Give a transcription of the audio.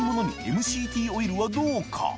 ＭＣＴオイルはどうか？